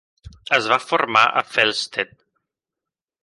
Es va formar a Felsted.